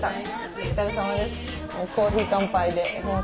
お疲れさまです。